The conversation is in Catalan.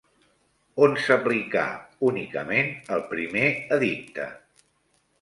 On s'aplicà únicament el primer edicte?